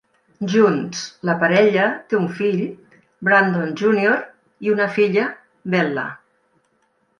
Junts, la parella té un fill, Brandon Junior, i una filla, Bella.